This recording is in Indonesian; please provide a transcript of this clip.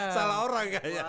salah orang kayaknya